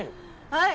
はい！